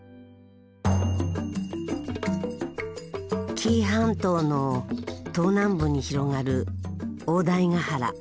紀伊半島の東南部に広がる大台ヶ原。